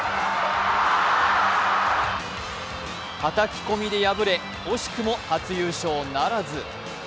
はたき込みで敗れ惜しくも初優勝ならず。